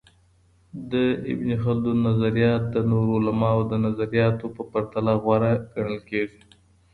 د ابن خلدون نظریات د نورو علماؤ د نظریاتو په پرتله غوره ګڼل کيږي.